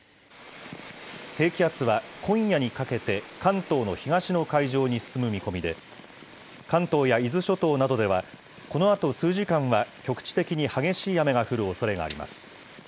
低気圧は今夜にかけて、関東の東の海上に進む見込みで、関東や伊豆諸島などでは、このあと数時間は局地的に激しい雨が降るおそれがあります。